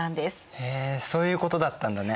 へえそういうことだったんだね。